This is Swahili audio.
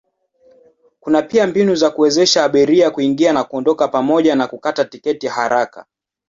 Kuna pia mbinu za kuwezesha abiria kuingia na kuondoka pamoja na kukata tiketi haraka.